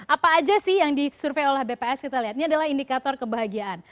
apa aja sih yang disurvei oleh bps kita lihat ini adalah indikator kebahagiaan